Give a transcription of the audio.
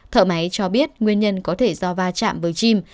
thợ máy cho biết nguyên nhân có thể do va chạm với chim